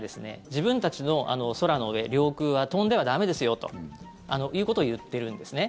自分たちの空の上、領空は飛んでは駄目ですよということを言っているんですね。